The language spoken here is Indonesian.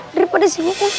daripada sini kan